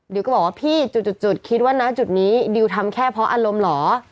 ก็บอกว่าพี่จุดคิดว่านะจุดนี้ดิวทำแค่เพราะอารมณ์เหรอ